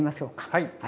はい。